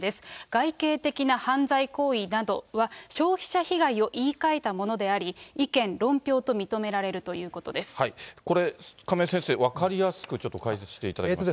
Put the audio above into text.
外形的な犯罪行為などは、消費者被害を言い換えたものであり、意見、これ、亀井先生、分かりやすくちょっと解説していただけますか。